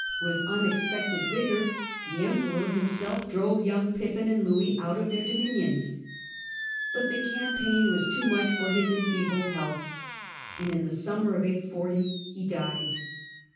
With unexpected vigour, the Em peror himself drove young Pippin and Louis out of their dominions. But the campaign was too much for his enfeebled health, and in the summer of 840 he died.